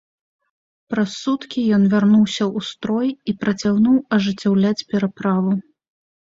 Праз суткі ён вярнуўся ў строй і працягнуў ажыццяўляць пераправу.